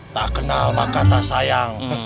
tak kenal maka tak sayang